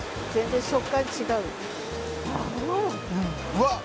うわっ！